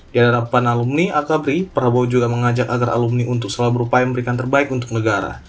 di hadapan alumni akabri prabowo juga mengajak agar alumni untuk selalu berupaya memberikan terbaik untuk negara